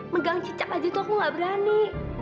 megang cicak aja tuh aku nggak berani